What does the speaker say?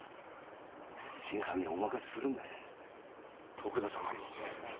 徳田様に。